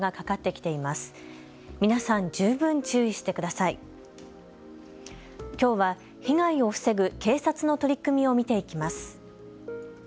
きょうは被害を防ぐ警察の取り組みを見ていきます。